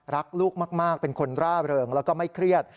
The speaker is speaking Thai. รักลูกมากเป็นคนร่าเริงแล้วก็ไม่เครียด